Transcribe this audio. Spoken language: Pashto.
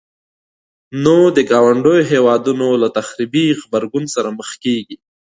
نو د ګاونډيو هيوادونو له تخريبي غبرګون سره مخ کيږي.